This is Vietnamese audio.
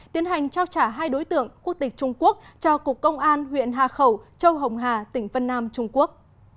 tiến hành trao trả hai đối tượng quốc tịch trung quốc cho cục công an huyện hà khẩu châu hồng hà tỉnh vân nam trung quốc